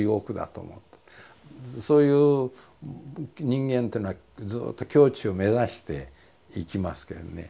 そういう人間っていうのはずっと境地を目指していきますけどね